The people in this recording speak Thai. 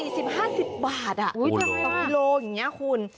จาก๔๐๕๐บาทต้องลงอย่างนี้คุณ